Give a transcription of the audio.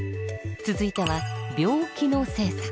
続いては病気の性差。